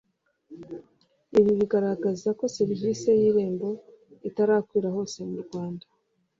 Ibi bigaragaza ko serivisi y irembo itarakwira hose mu rwanda